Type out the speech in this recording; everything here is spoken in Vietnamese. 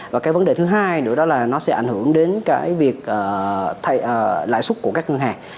và cái vấn đề thứ hai nữa đó là nó sẽ ảnh hưởng đến cái việc lãi suất của các ngân hàng